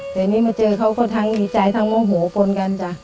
เดี๋ยวนี้มาเจอเค้าก็ทั้งดีใจทั้งโมโหคนกัน